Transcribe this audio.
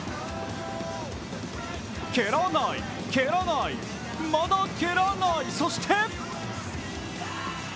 蹴らない、蹴らない、まだ蹴らない。